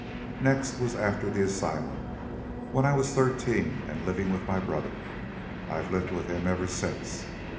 "Next was after the asylum, when I was thirteen and living with my brother I've lived with him ever since.